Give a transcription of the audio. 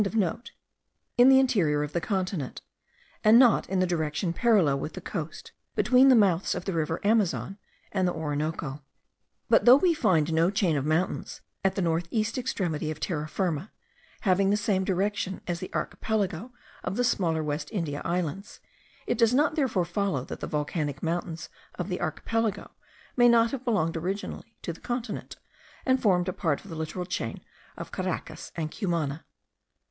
in the interior of the continent, and not in a direction parallel with the coast, between the mouths of the river Amazon and the Orinoco. But though we find no chain of mountains at the north east extremity of Terra Firma, having the same direction as the archipelago of the smaller West India Islands, it does not therefore follow that the volcanic mountains of the archipelago may not have belonged originally to the continent, and formed a part of the littoral chain of Caracas and Cumana.